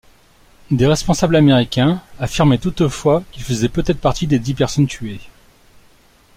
Des responsables américains affirmaient toutefois qu'il faisait peut-être partie des dix personnes tuées.